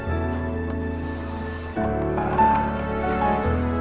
aku mau istirahat lagi